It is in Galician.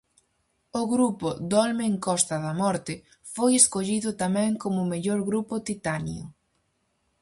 O grupo Dolmen Costa da Morte foi escollido tamén como mellor "grupo titanio".